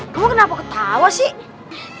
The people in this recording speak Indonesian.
kamu kenapa ketawa sih